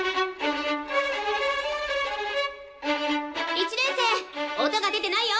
１年生音が出てないよ！